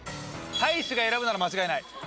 大使が選ぶなら間違いない。